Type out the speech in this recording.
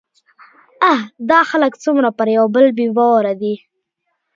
اه! دا خلک څومره پر يوبل بې باوره دي